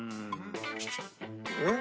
えっ？